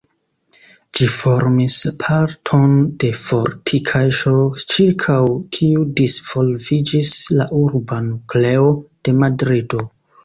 Ĝi formis parton de fortikaĵo, ĉirkaŭ kiu disvolviĝis la urba nukleo de Madrido.